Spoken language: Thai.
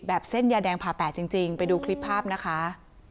เส้นยาแดงผ่าแปดจริงไปดูคลิปภาพนะคะ